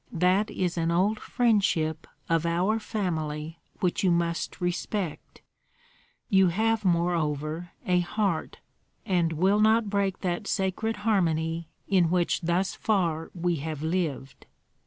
That is an old friendship of our family which you must respect. You have moreover a heart, and will not break that sacred harmony in which thus far we have lived."